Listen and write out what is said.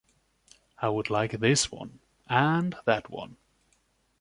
I would like this one and that one.